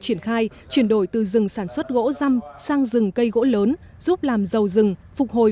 triển khai chuyển đổi từ rừng sản xuất gỗ răm sang rừng cây gỗ lớn giúp làm giàu rừng phục hồi